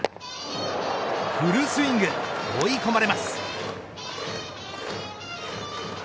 フルスイング、追い込まれます。